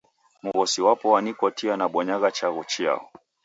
Mghosi wapo wanikotia nabonyagha chaghu chiao.